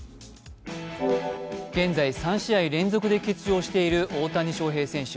現在３試合連続で欠場している大谷翔平選手。